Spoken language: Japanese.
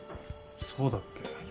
そうだっけ？